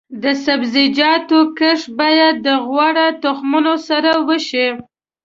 د سبزیجاتو کښت باید د غوره تخمونو سره وشي.